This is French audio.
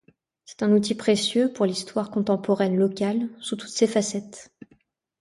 C’est un outil précieux pour l’histoire contemporaine locale, sous toutes ses facettes.